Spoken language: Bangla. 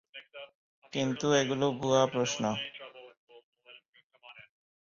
কিন্তু এগুলো ভুয়া প্রশ্ন।